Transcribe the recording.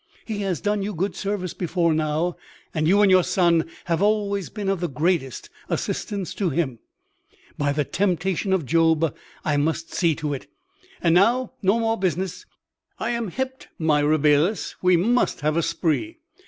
He has done you good service before now; and you and your Son have always been of the greatest assistance to him." "By the temptation of Job! I must see to it. And now no more business. I am hipped, my Rabelais; we must have a spree.